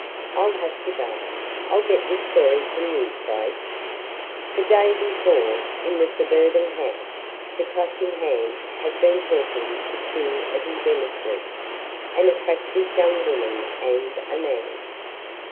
I'll have to go. I'll get this story from you, Craig." ........ The day before, in the suburban house, the Clutching Hand had been talking to two of his emissaries, an attractive young woman and a man.